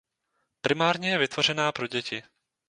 Primárně je vytvořená pro děti.